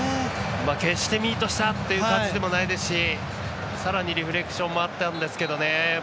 決してミートしたっていう感じでもないですしさらにリフレクションもあったんですけどね。